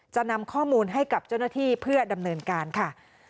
จะนำข้อมูลให้กับเจ้าหน้าที่เพื่อดำเนินการค่ะ